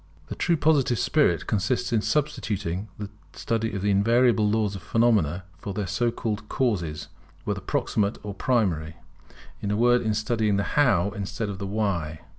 The true Positive spirit consists in substituting the study of the invariable Laws of phenomena for that of their so called Causes, whether proximate or primary; in a word, in studying the How instead of the Why.